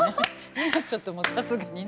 ちょっともうさすがにね。